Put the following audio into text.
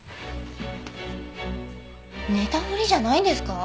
寝たふりじゃないんですか？